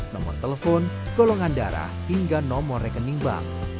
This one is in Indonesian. nomor telepon golongan darah hingga nomor rekening bank